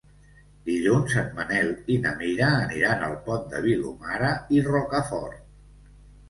Dilluns en Manel i na Mira aniran al Pont de Vilomara i Rocafort.